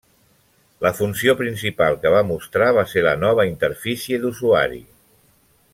La funció principal que va mostrar va ser la nova interfície d'usuari.